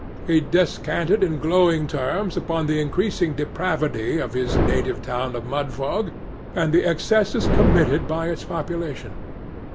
He descanted in glowing terms upon the increasing depravity of his native town of Mudfog, and the excesses committed by its population.